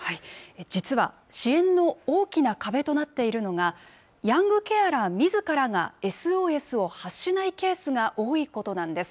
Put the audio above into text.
実は、支援の大きな壁となっているのが、ヤングケアラーみずからがＳＯＳを発しないケースが多いことなんです。